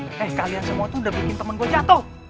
eh kalian semua tuh udah bikin temen gue jatuh